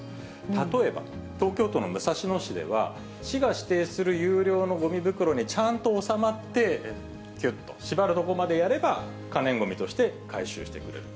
例えば、東京都の武蔵野市では、市が指定する有料のごみ袋にちゃんと収まってきゅっと縛るところまでやれば、可燃ごみとして回収してくれる。